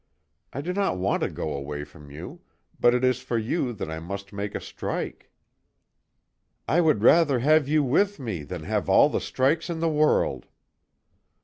I do not want to go away from you, but it is for you that I must make a strike." "I would rather have you with me than have all the strikes in the world!"